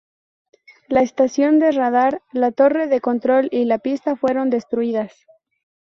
La estación de radar, la torre de control y la pista fueron destruidas.